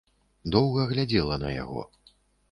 Доўга глядзела на яго.